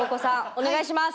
お願いします！